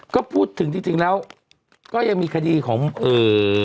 ก็พูดถึงจริงจริงแล้วก็ยังมีคดีของเอ่อ